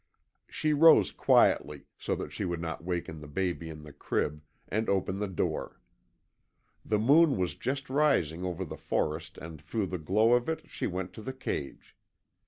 She rose quietly, so that she would not waken the baby in the crib, and opened the door. The moon was just rising over the forest and through the glow of it she went to the cage.